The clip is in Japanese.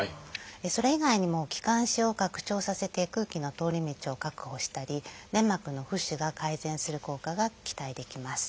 それ以外にも気管支を拡張させて空気の通り道を確保したり粘膜の浮腫が改善する効果が期待できます。